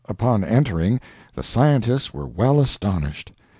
Upon entering, the scientists were well astonished.